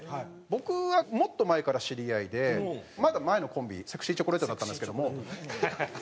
僕はもっと前から知り合いでまだ前のコンビセクシーチョコレートだったんですけども。